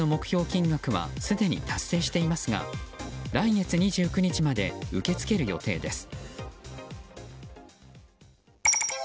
金額はすでに達成していますが来月２９日まで受け付ける予定です。